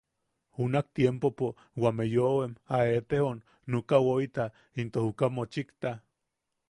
Junak tiempopo wame yoʼowem a eʼetejon nuka woʼita into juka mochikta.